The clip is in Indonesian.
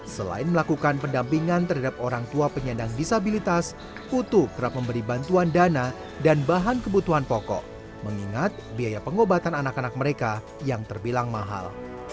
selain melakukan pendampingan terhadap orang tua penyandang disabilitas putu kerap memberi bantuan dana dan bahan kebutuhan pokok mengingat biaya pengobatan anak anak mereka yang terbilang mahal